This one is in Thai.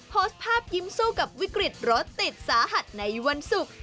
โพสต์ภาพยิ้มสู้กับวิกฤตรถติดสาหัสในวันศุกร์